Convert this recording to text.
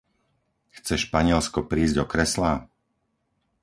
Chce Španielsko prísť o kreslá?